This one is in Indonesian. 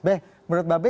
be menurut mbak be